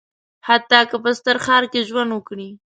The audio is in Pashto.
حتی که په ستر ښار کې ژوند وکړي.